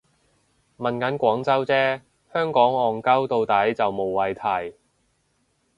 問緊廣州啫，香港戇 𨳊 到底就無謂提